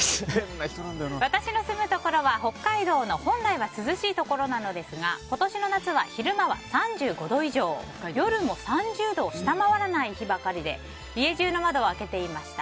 私の住むところは、北海道の本来は涼しいところなのですが今年の夏は昼間は３５度以上夜も３０度を下回らない日ばかりで家中の窓を開けていました。